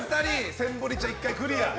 センブリ茶１回クリア。